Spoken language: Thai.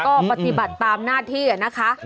ก็ปฏิบัติตามหน้าที่นะคะ